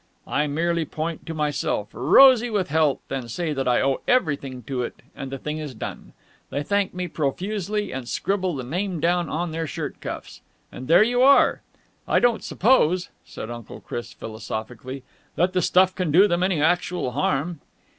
I merely point to myself, rosy with health, and say that I owe everything to it, and the thing is done. They thank me profusely and scribble the name down on their shirt cuffs. And there you are! I don't suppose," said Uncle Chris philosophically, "that the stuff can do them any actual harm."